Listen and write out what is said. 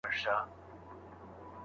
څېړونکی د خپل وخت سمه ګټنه کوي.